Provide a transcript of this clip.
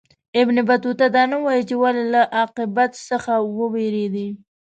ابن بطوطه دا نه وايي چې ولي له عاقبت څخه ووېرېدی.